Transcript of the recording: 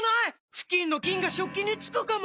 フキンの菌が食器につくかも⁉